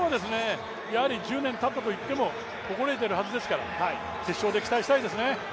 １０年たったといっても心得ているはずですから決勝で期待したいですね。